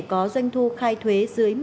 có doanh thu khai thuế dưới